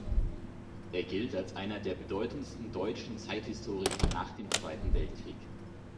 Er gilt als einer der bedeutendsten deutschen Zeithistoriker nach dem Zweiten Weltkrieg.